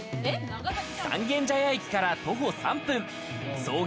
三軒茶屋駅から徒歩３分、創業